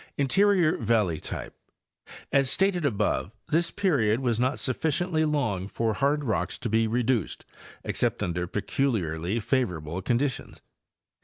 Interior Valley Type—Asg stated above, this period was not suf ficiently long for hard rocks to be reduced except under pecu liarly favorable conditions.